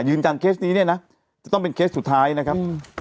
เคสนี้เนี่ยนะจะต้องเป็นเคสสุดท้ายนะครับ